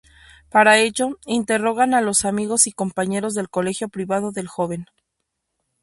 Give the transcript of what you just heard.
Para ello, interrogan a los amigos y compañeros del colegio privado del joven.